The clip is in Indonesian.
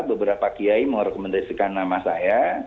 beberapa kiai merekomendasikan nama saya